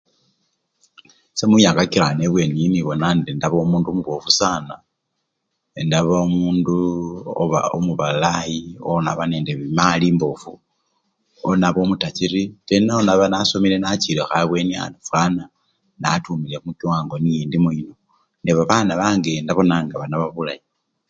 Esee mumyaka kirano ebweniyii mbona ndi inaba omundu omubofu sana, indaba omunduu oba omubalayi onaba nende emali embofu, onaba omutachiri, tena enaba nasomele nachileho ebweni aba fwana natumile mukiwango nyo indimo yino, ne babana bange indababona nga banaba bulayi